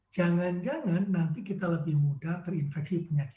jangan jangan nanti kita lebih mudah terinfeksi penyakit